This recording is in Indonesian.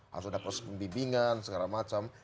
harus ada proses pembimbingan segala macam